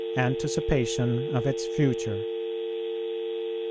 ANTICIPATION OF ITS FUTURE.